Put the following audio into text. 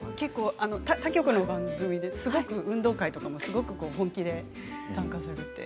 他局の番組ですごく運動会とかも本気で参加するって。